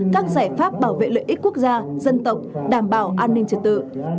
các giải pháp bảo vệ lợi ích quốc gia dân tộc đảm bảo an ninh trật tự